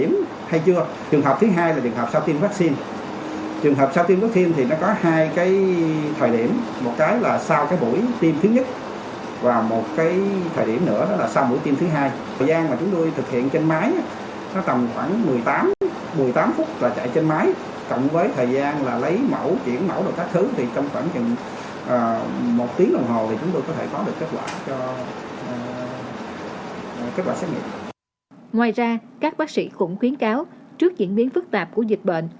ngoài ra các bác sĩ cũng khuyến cáo trước diễn biến phức tạp của dịch bệnh